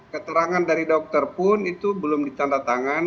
keterangan dari dokter pun itu belum ditanda tangan